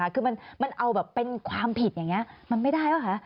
คือมันเอาแบบเป็นความผิดอย่างนี้มันไม่ได้ป่ะคะ